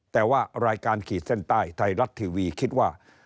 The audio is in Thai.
แต่ว่ารายการขีดเส้นใต้ไทยรัฐทีวีคิดว่า